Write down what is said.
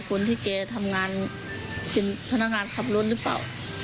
คนที่แกทำงานเป็นพนักงานขับรถหรือเปล่า